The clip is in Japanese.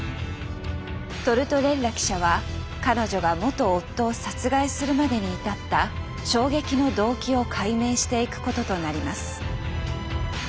トルトレッラ記者は彼女が元夫を殺害するまでに至った衝撃の動機を解明していくこととなります。